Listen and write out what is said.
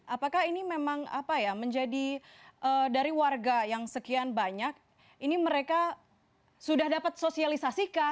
apakah ini memang apa ya menjadi dari warga yang sekian banyak ini mereka sudah dapat sosialisasi kah